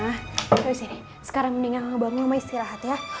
ayo sini sekarang mendingan kakak bangun sama istirahat ya